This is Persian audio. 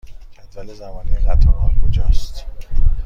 جدول زمانی قطارها کجا است؟